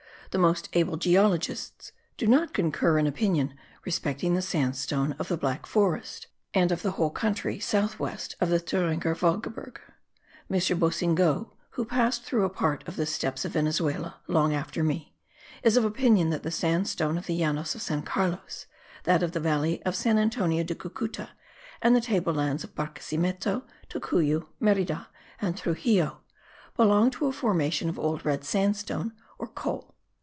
The most able geologists do not concur in opinion respecting the sandstone of the Black Forest and of the whole country south west of the Thuringer Waldgebirge. M. Boussingault, who passed through a part of the steppes of Venezuela long after me, is of opinion that the sandstone of the Llanos of San Carlos, that of the valley of San Antonio de Cucuta and the table lands of Barquisimeto, Tocuyo, Merida and Truxillo belong to a formation of old red sandstone or coal.